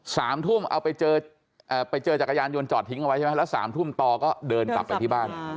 สามทุ่มเอาไปเจอเอ่อไปเจอจักรยานยนต์จอดทิ้งเอาไว้ใช่ไหมแล้วสามทุ่มต่อก็เดินกลับไปที่บ้าน